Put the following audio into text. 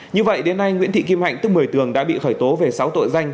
như vậy đến nay nguyễn thị kim hạnh tức một mươi tường đã bị khởi tố về sáu tội danh